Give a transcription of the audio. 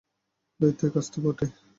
দায়িত্বের কাজ তো বটেই!